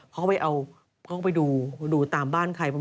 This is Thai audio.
เขาก็เอาไปดูดูตามบ้านใคร